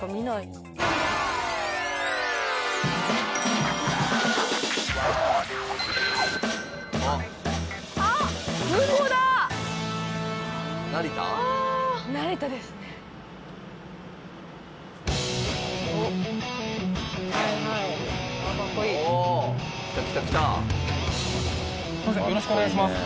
よろしくお願いします。